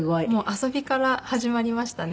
遊びから始まりましたね。